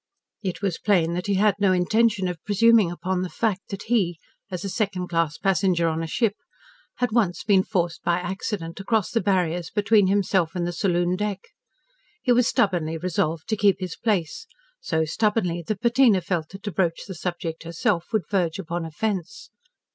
It was plain that he had no intention of presuming upon the fact that he, as a second class passenger on a ship, had once been forced by accident across the barriers between himself and the saloon deck. He was stubbornly resolved to keep his place; so stubbornly that Bettina felt that to broach the subject herself would verge upon offence.